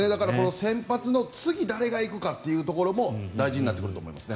先発の次に誰が行くかというところも大事になってくると思います。